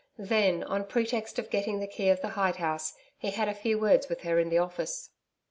Then on pretext of getting the key of the hide house, he had a few words with her in the office.